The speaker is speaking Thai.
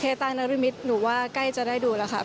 เพตรานิริมิตหนูว่าใกล้จะได้ดูแล้วครับ